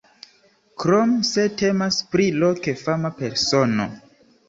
Krom se temas pri loke fama persono.